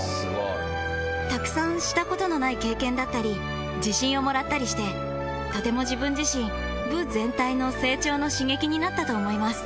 たくさんしたことのない経験だったり、自信をもらったりして、とても自分自身、部全体の成長の刺激になったと思います。